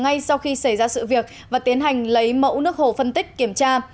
ngay sau khi xảy ra sự việc và tiến hành lấy mẫu nước hồ phân tích kiểm tra